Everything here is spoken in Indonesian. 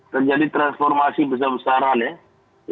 terjadi transformasi besar besaran ya